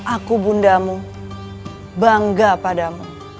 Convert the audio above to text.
aku bundamu bangga padamu